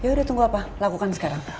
yaudah tunggu apa lakukan sekarang